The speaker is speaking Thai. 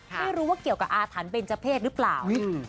ไม่รู้ว่าเกี่ยวกับอาถรรพ์เบนเจอร์เพศหรือเปล่า